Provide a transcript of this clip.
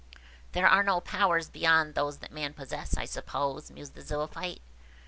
"There are no powers beyond those that man possesses, I suppose," mused the Zoophyte.